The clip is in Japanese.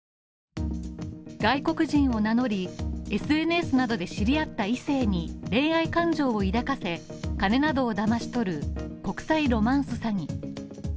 外国人を名乗り、ＳＮＳなどで知り合った異性に恋愛感情を抱かせ、金などをだまし取る国際ロマンス詐欺。